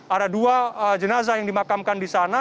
ada dua jenazah yang dimakamkan di sana